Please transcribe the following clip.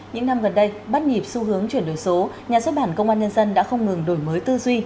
những năm gần đây bắt nhịp xu hướng chuyển đổi số nhà xuất bản công an nhân dân đã không ngừng đổi mới tư duy